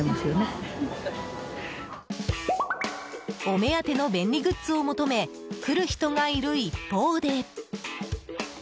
お目当ての便利グッズを求め来る人がいる一方で。